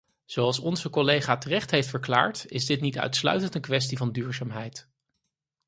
Zoals onze collega terecht heeft verklaard, is dit niet uitsluitend een kwestie van duurzaamheid.